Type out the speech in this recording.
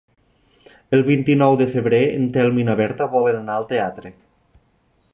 El vint-i-nou de febrer en Telm i na Berta volen anar al teatre.